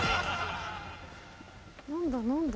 何だ？